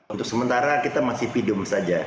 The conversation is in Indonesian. untuk sementara kita masih pidum saja